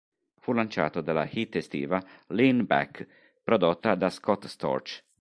Fu lanciato dalla hit estiva "Lean Back", prodotta da Scott Storch.